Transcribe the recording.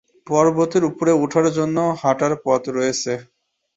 পর্বতের উপরে ওঠার জন্য হাঁটার পথ রয়েছে।